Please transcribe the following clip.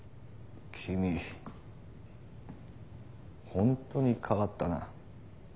君ホントに変わったな。